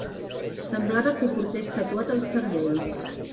Semblava que ho portés tatuat al cervell.